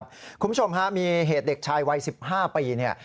คุณผู้ชมค่ะมีเหตุเด็กชายวัย๑๕ปี